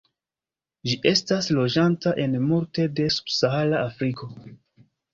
Ĝi estas loĝanta en multe de subsahara Afriko.